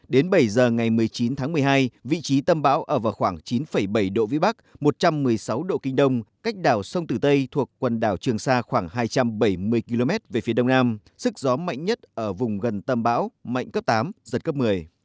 đến bảy giờ ngày một mươi chín tháng một mươi hai vị trí tâm bão ở vào khoảng chín bảy độ vĩ bắc một trăm một mươi sáu độ kinh đông cách đảo sông tử tây thuộc quần đảo trường sa khoảng hai trăm bảy mươi km về phía đông nam sức gió mạnh nhất ở vùng gần tâm bão mạnh cấp tám giật cấp một mươi